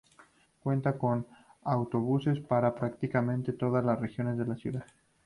Cuenta con autobuses para prácticamente todas las regiones de la ciudad.